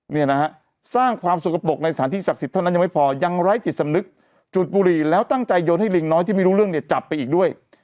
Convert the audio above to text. เนี่ยนะฮะสร้างความสกปรกในสถานที่ศักดิ์สิทธิ์เท่านั้นยังไม่พอยังไร้จิตสำนึกจุดบุหรี่แล้วตั้งใจโยนให้ลิงน้อยที่ไม่รู้เรื่องเนี่ยจับไปอีกด้วย